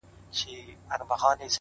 پوهېږې په جنت کي به همداسي ليونی یم ـ